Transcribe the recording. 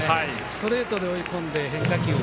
ストレートで追い込んで変化球。